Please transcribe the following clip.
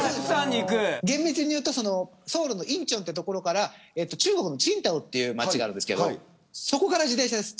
厳密に言うとソウルのインチョンという所から中国のチンタオという町があるんですけどそこから自転車です。